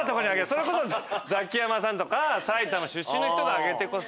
それこそザキヤマさんとか埼玉出身の人が上げてこそ。